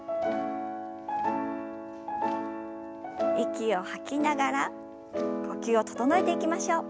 息を吐きながら呼吸を整えていきましょう。